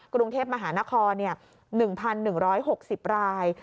กรุงเทพมหานคร๑๑๖๐ราย